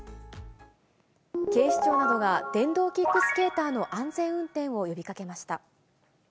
警視庁などが電動キックスケーターの安全運転を呼びかけました。